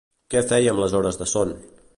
Què feia amb les hores de son?